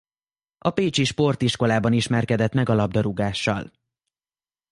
A Pécsi Sportiskolában ismerkedett meg a labdarúgással.